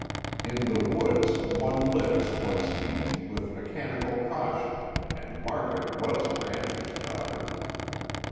In the woods one lifts one's feet with mechanical caution and Margaret was a rancher's daughter.